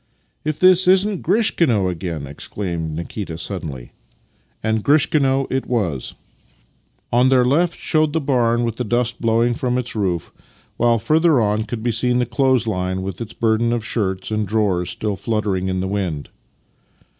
" If this isn't Grishkino again! " exclaimed Nikita suddenl5\ And Grishkino it was. On their left showed the 22 Master and Man barn with the snow dust blowing from its roof, while further on could be seen the clothes line, with its burden of shirts and drawers still fluttering in the wind.